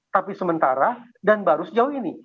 tapi sementara dan baru sejauh ini